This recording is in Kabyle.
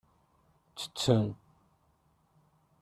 Ttetten.